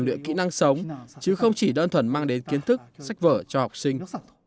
luyện kỹ năng sống chứ không chỉ đơn thuần mang đến kiến thức sách vở cho học sinh